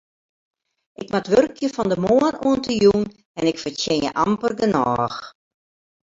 Ik moat wurkje fan de moarn oant de jûn en ik fertsjinje amper genôch.